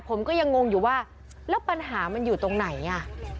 ผมก็ยังงงอยู่ว่าแล้วปัญหามันอยู่ตรงไหนอ่ะ